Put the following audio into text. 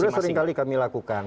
sudah sering kali kami lakukan